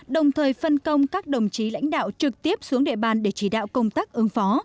đồng thời phân công các đồng chí lãnh đạo trực tiếp xuống địa bàn để chỉ đạo công tác ứng phó